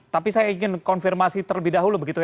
tapi saya ingin konfirmasi terlebih dahulu